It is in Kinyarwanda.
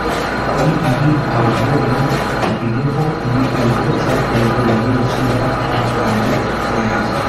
Kuri iyi album hakubiyeho indirimbo zakunzwe na benshi nka’Amagambo yanjye’